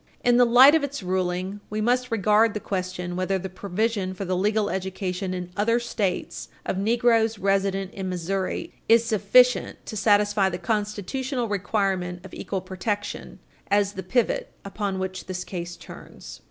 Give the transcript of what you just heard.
In the light of its ruling, we must regard the question whether the provision for the legal education in other States of negroes resident in Missouri is sufficient to satisfy the constitutional requirement of equal protection as the pivot upon which this case turns.